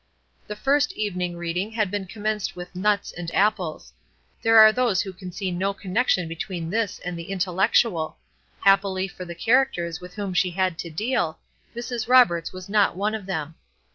The first evening reading had been commenced with nuts and apples. There are those who can see no connection between this and the intellectual; happily for the characters with whom she had to deal, Mrs. Roberts was not one of them.